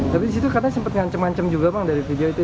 tapi disitu karena sempat ngancem ngancam juga bang dari video itu